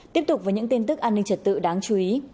tiếp tục với những tin tức an ninh trật tự đáng chú ý